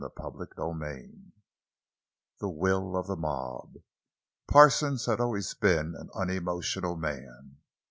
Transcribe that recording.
CHAPTER XXXIV—THE WILL OF THE MOB Parsons had always been an unemotional man.